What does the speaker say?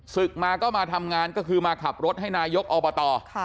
ศึกมาก็มาทำงานก็คือมาขับรถให้นายกอบต